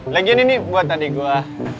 lagian ini buat adik gue